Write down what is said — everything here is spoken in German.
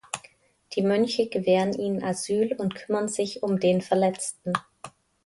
Die Mönche gewähren ihnen Asyl und kümmern sich um den Verletzten.